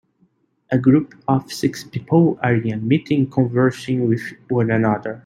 A group of six people are in a meeting conversing with one another.